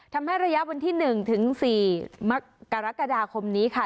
ทำให้ระยะวันที่๑ถึง๔กรกฎาคมนี้ค่ะ